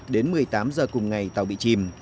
đến một mươi tám h cùng ngày tàu bị chìm